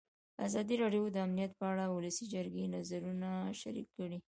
ازادي راډیو د امنیت په اړه د ولسي جرګې نظرونه شریک کړي.